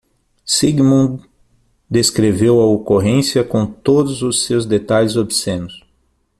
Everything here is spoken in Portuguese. Sigmund descreveu a ocorrência com todos os seus detalhes obscenos.